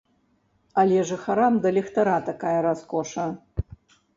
Але жыхарам да ліхтара такая раскоша.